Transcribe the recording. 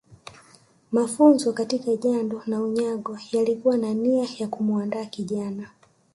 Mafunzo katika jando na unyago yalikuwa na nia ya kumuandaa kijana